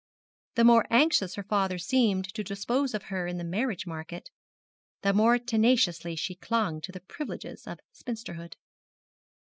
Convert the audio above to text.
The more anxious her father seemed to dispose of her in the marriage market, the more tenaciously she clung to the privileges of spinsterhood.